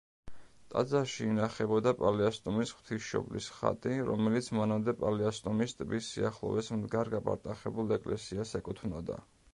ტაძარში ინახებოდა პალიასტომის ღვთისმშობლის ხატი, რომელიც მანამდე პალიასტომის ტბის სიახლოვეს მდგარ გაპარტახებულ ეკლესიას ეკუთვნოდა.